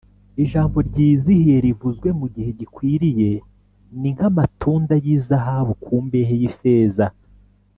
ijambo ryizihiye rivuzwe mu gihe gikwiriye, ni nk’amatunda y’izahabu ku mbehe y’ifeza